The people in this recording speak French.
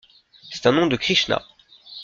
C'est un nom de Krishna.